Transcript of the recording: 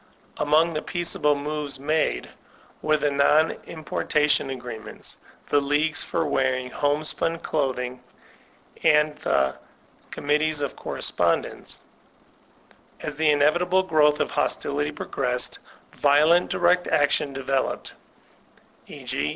Among the peaceable moves made, were die non importation agreements, the leagues for wearing home spun clothing and the ''committees of correspondence/* As the inevitable growth of hostility progressed, violent direct action developed ; e. g.